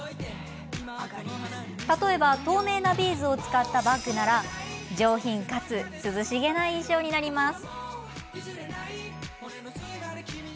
例えば透明なビーズを使ったバッグなら上品かつ涼しげな印象になります。